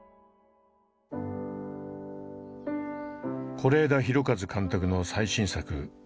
是枝裕和監督の最新作「怪物」。